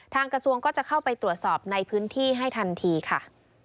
กระทรวงก็จะเข้าไปตรวจสอบในพื้นที่ให้ทันทีค่ะ